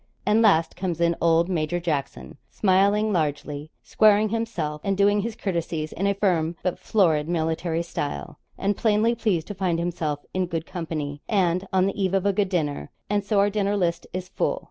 And last comes in old Major Jackson, smiling largely, squaring himself, and doing his courtesies in a firm but florid military style, and plainly pleased to find himself in good company and on the eve of a good dinner. And so our dinner list is full.